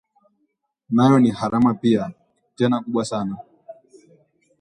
Nayo ni gharama pia, tena kubwa sana